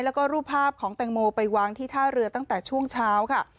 แล้วก็รูปภาพของแตงโมไปวางที่ท่าเรือตั้งแต่ช่วงเช้าค่ะ